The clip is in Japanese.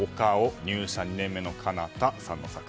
入社２年目のかなたさんの作品。